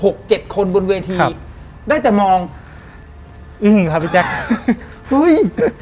หกเจ็ดคนบนเวทีครับได้แต่มองอืมครับพี่แจ็คอุ้ย